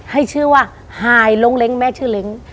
ให้ชื่อว่าหายล้งเล้งแม่ชื่อเล้ง